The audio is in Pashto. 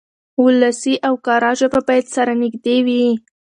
ولسي او کره ژبه بايد سره نږدې شي.